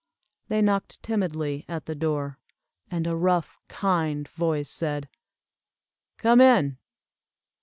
They knocked timidly at the door, and a rough kind voice said, "Come in."